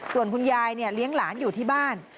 ส่วนคุณยายเลี้ยงหลานอยู่ที่บ้าน